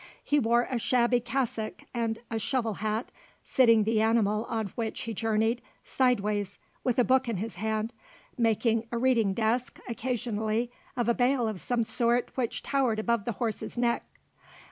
He wore a shabby cassock and a shovel hat, sitting the animal on which he journeyed sideways with a book in his hand, making a reading desk occasionally of a bale of some sort which towered above the horse's neck.